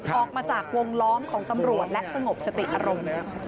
ออกมาจากวงล้อมของตำรวจและสงบสติอารมณ์